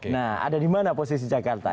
nah ada di mana posisi jakarta